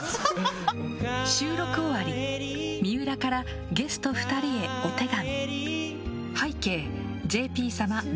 収録終わり水卜からゲスト２人へお手紙。